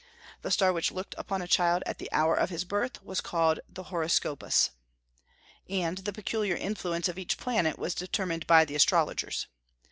The star which looked upon a child at the hour of his birth was called the "horoscopus," and the peculiar influence of each planet was determined by the astrologers.